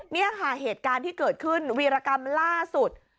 นี่ค่ะเหตุการณ์ที่เกิดขึ้นวีรกรรมล่าสุด